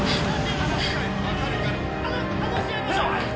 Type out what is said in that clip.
話し合いましょう！